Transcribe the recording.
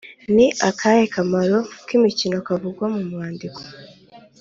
ni akahe kamaro k’imikino kavugwa mu mwandiko?